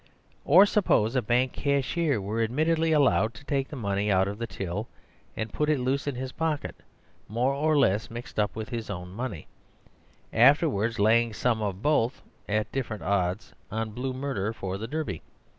Or suppose a bank cashier were admittedly allowed to take the money out of the till, and put it loose in his pocket, more or less mixed up with his own money; afterwards laying some of both (at different odds) on "Blue Murder" for the Derby.